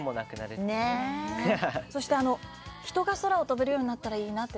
そして、人が空を飛べるようになればいいなって。